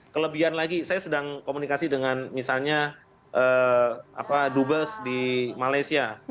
kelebihan lagi saya sedang komunikasi dengan misalnya dubes di malaysia